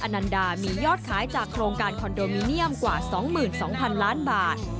นันดามียอดขายจากโครงการคอนโดมิเนียมกว่า๒๒๐๐๐ล้านบาท